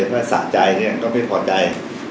ถ้าสะใจเนี่ยก็ไม่พอใจ